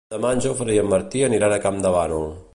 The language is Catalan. Demà en Jofre i en Martí aniran a Campdevànol.